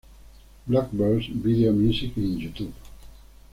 Blackbirds Video Music en Youtube